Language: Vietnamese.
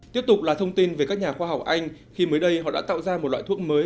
tiếp tục là thông tin về các nhà khoa học anh khi mới đây họ đã tạo ra một loại thuốc mới